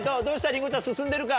りんごちゃん進んでるか？